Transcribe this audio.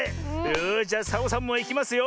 よしじゃサボさんもいきますよ。